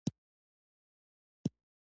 د پښتو ژبې د پرمختګ لپاره کار وکړئ.